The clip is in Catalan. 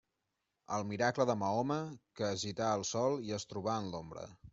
El miracle de Mahoma, que es gità al sol i es trobà en l'ombra.